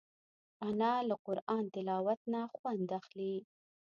انا له قرآن تلاوت نه خوند اخلي